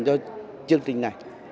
cho chương trình này